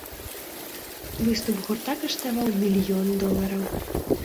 Выступ гурта каштаваў мільён долараў.